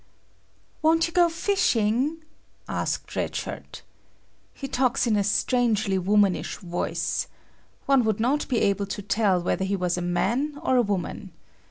"Won't you go fishing?" asked Red Shirt. He talks in a strangely womanish voice. One would not be able to tell whether he was a man or a woman.